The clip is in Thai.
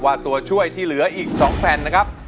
ว่าตัวช่วยที่เหลืออีกสองแฟนนะครับ